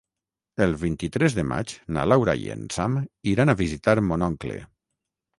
El vint-i-tres de maig na Laura i en Sam iran a visitar mon oncle.